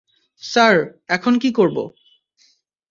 Sir, এখন কী করবো?